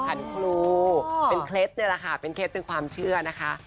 ครูเป็นเคล็ดนี่แหละค่ะเป็นเคล็ดเป็นความเชื่อนะคะ